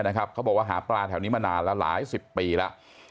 เขาบอกว่าหาปลาแถวนี้มานานแล้วหลายสิบปีแล้ว